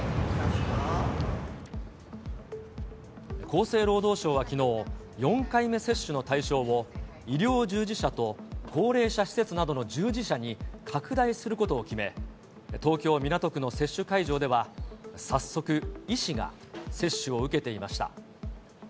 厚生労働省はきのう、４回目接種の対象を、医療従事者と高齢者施設などの従事者に拡大することを決め、東京・港区の接種会場では、早速、医師が接種を受けていました。